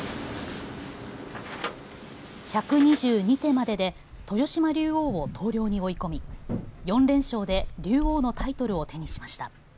１２２手までで豊島竜王を投了に追い込み４連勝で竜王のタイトルを手にしました。